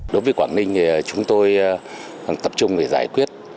đối với quảng ninh thì chúng tôi tập trung để giải quyết